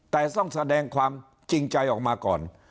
แต่ต้องแสดงความจริงใจออกมาก่อน